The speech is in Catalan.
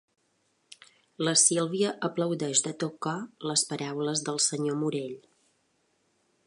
La Sílvia aplaudeix de tot cor les paraules del senyor Morell.